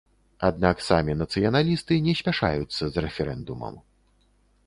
Аднак самі нацыяналісты не спяшаюцца з рэферэндумам.